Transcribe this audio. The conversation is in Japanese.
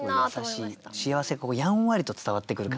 優しい幸せやんわりと伝わってくる感じね。